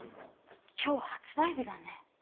今日発売日だね。